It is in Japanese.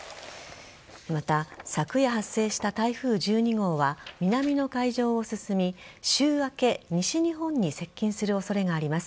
また、昨夜発生した台風１２号は南の海上を進み週明け西日本に接近する恐れがあります。